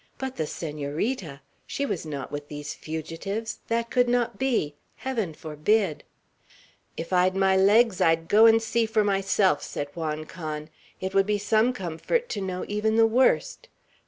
But the Senorita! She was not with these fugitives. That could not be! Heaven forbid! "If I'd my legs, I'd go and see for myself." said Juan Can. "It would be some comfort to know even the worst.